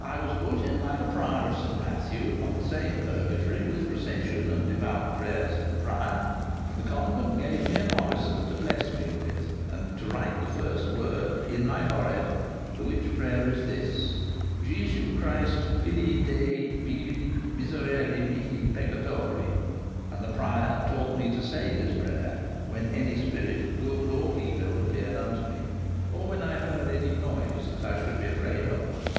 "I was put in by the Prior of St. Matthew, of the same Purgatory, with procession and devout prayers of the prior, and the convent gave me an orison to bless me with, and to write the first word in my forehead, the which prayer is this, 'Jhesu Christe, Fili Dei vivi, miserere mihi peccatori.' And the prior taught me to say this prayer when any spirit, good or evil, appeared unto me, or when I heard any noise that I should be afraid of."